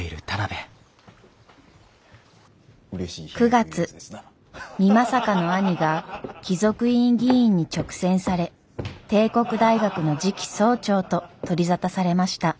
９月美作の兄が貴族院議員に勅選され帝国大学の次期総長と取り沙汰されました。